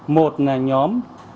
một là nhóm